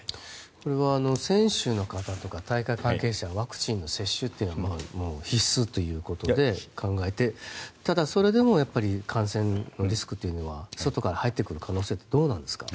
これは選手の方とか大会関係者はワクチンの接種というのは必須ということで考えてただ、それでもやっぱり感染のリスクは外から入ってくる可能性はどうなんですか？